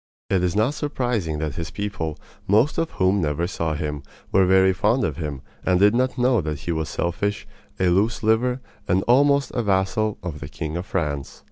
It is not surprising that his people, most of whom never saw him, were very fond of him, and did not know that he was selfish, a loose liver, and almost a vassal of the king of France.